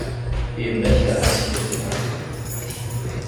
Yemma tekṛeh ad tekteb tibṛatin.